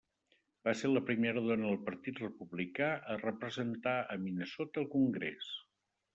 Va ser la primera dona del Partit Republicà a representar a Minnesota al congrés.